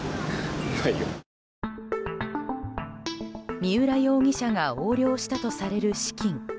三浦容疑者が横領したとされる資金。